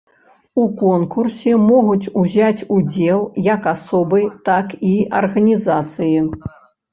У конкурсе могуць узяць удзел як асобы, так і арганізацыі.